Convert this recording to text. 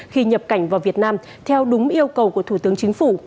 khi nhập cảnh vào việt nam theo đúng yêu cầu của thủ tướng chính phủ